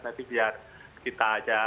nanti biar kita aja